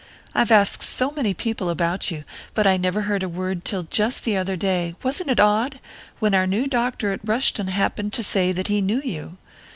I've asked so many people about you but I never heard a word till just the other day wasn't it odd? when our new doctor at Rushton happened to say that he knew you.